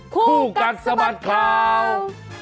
คู่กันสมัสข่าว